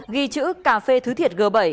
ghi chữ cà phê thứ thiệt g bảy